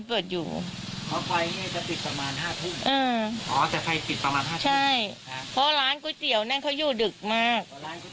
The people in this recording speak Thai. เพราะร้านก๋วยเตี๋ยวนั่นเขาอยู่ดึกมาก